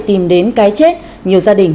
tìm đến cái chết nhiều gia đình